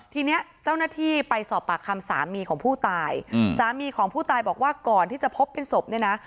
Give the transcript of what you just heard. ทีนี้เจ้าหน้าที่ไปสอบปากคำสามีของผู้ตายสามีของผู้ตายบอกว่าก่อนที่จะพบเป็นศพเนี่ยนะ